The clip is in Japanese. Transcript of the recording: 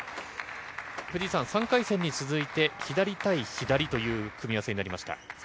藤井さん、３回戦に続いて左対左という組み合わせになりました。